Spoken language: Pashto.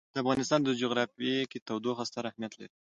د افغانستان جغرافیه کې تودوخه ستر اهمیت لري.